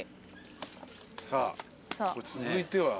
さあ続いては？